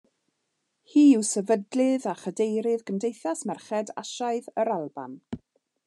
Hi yw sefydlydd a chadeirydd Cymdeithas Merched Asiaidd yr Alban.